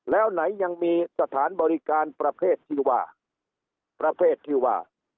แล้วไหนยังมีสถานบริการประเภทที่ว่าประเภทที่ว่า